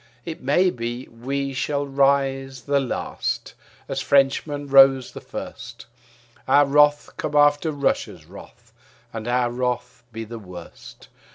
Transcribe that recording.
It may be we shall rise the last as Frenchmen rose the first, Our wrath come after Russia's wrath and our wrath be the worst.